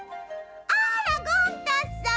「あらゴン太さん。